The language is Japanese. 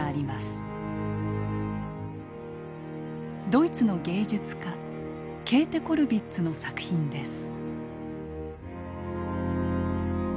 ドイツの芸術家ケーテ・コルヴィッツの作品です。